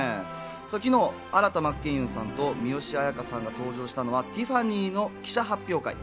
昨日、新田真剣佑さんと三吉彩花さんが登場したのはティファニーの記者発表会。